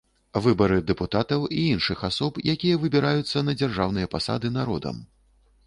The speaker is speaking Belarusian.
Выбары дэпутатаў і іншых асоб, якія выбіраюцца на дзяржаўныя пасады народам.